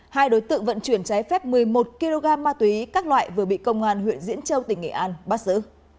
hai đối tượng vận chuyển trái phép một mươi một kg ma túy các loại vừa bị công an huyện diễn châu tỉnh nghệ an bắt giữ